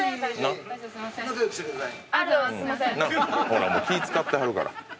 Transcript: ほらもう気ぃ使ってはるから。